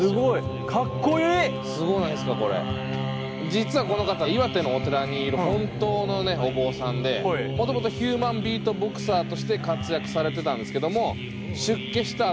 実はこの方岩手のお寺にいる本当のお坊さんでもともとヒューマンビートボクサーとして活躍されてたんですけども出家した